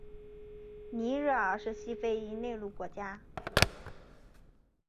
尼日尔是西非一内陆国家。